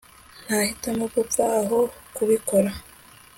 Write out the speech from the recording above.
nahitamo gupfa aho kubikora